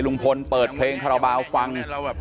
ลุงพลเปิดเพลงคาราบาลฟัง